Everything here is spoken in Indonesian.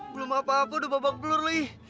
belum apa apa udah babak telur lagi